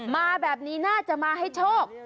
มาแบบนี้น่าจะมาให้โชค